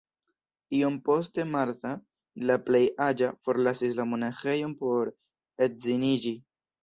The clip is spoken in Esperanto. Iom poste Martha, la plej aĝa, forlasis la monaĥejon por edziniĝi.